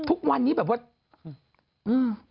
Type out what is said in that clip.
ทุกวันนี้แบบว่าอืม